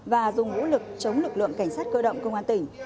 và dùng vũ lực chống lực lượng cảnh sát cơ động công an tỉnh